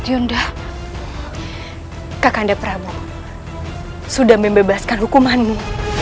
yunda kakanda prabowo sudah membebaskan hukumanmu